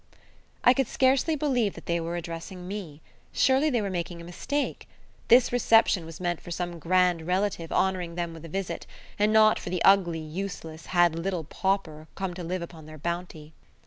I could scarcely believe that they were addressing me. Surely they were making a mistake. This reception was meant for some grand relative honouring them with a visit, and not for the ugly, useless, bad little pauper come to live upon their bounty.